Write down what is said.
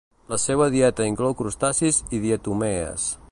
La seua dieta inclou crustacis i diatomees.